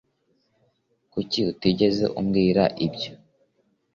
kuki utigeze umbwira ibyo